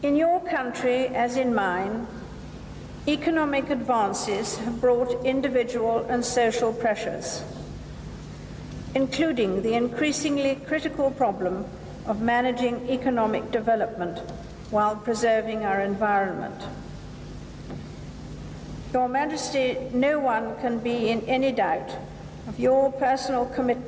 จากนั้นนะคะสมเด็จพระราชนีนาธิ์อลิซาเบ็ดที่สองทรงมีพระราชดำรัฐตอบกลับค่ะ